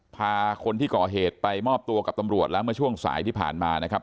พาคนที่ก่อเหตุไปมอบตัวกับตำรวจแล้วเมื่อช่วงสายที่ผ่านมานะครับ